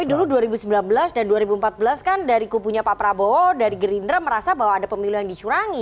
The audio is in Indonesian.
tapi dulu dua ribu sembilan belas dan dua ribu empat belas kan dari kubunya pak prabowo dari gerindra merasa bahwa ada pemilu yang dicurangi